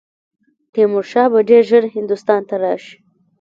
تیمور شاه به ډېر ژر هندوستان ته راشي.